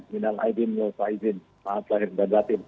minal aibin yusra aibin maaflah herbatin